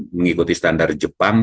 mengikuti standar jepang